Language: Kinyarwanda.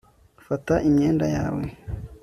Fata imyenda yawe